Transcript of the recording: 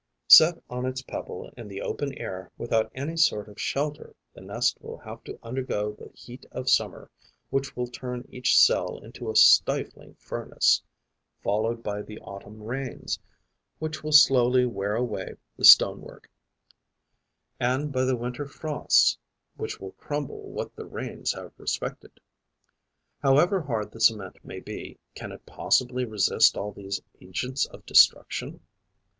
Set on its pebble in the open air, without any sort of shelter, the nest will have to undergo the heat of summer, which will turn each cell into a stifling furnace, followed by the autumn rains, which will slowly wear away the stonework, and by the winter frosts, which will crumble what the rains have respected. However hard the cement may be, can it possibly resist all these agents of destruction?